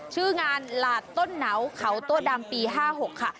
ชื่องานหลาดต้นหนาวเขาโต๊ดำปี๕๖ค่ะ